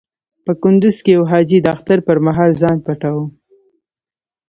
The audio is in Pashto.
په کندز کې يو حاجي د اختر پر مهال ځان پټاوه.